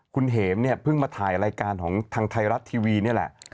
คุณเหมเนี่ยเพิ่งมาถ่ายรายการของทางไทยรัฐทีวีนี่แหละ